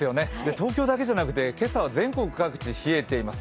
東京だけじゃなくて、今朝は全国各地冷えています。